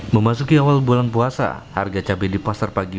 memasuki awal bulan puasa harga cabai di pasar pagi